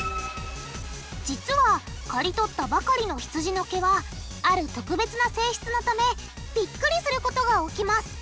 実はかり取ったばかりのひつじの毛はある特別な性質のためビックリすることが起きます。